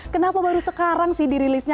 kenapa baru sekarang sih dirilisnya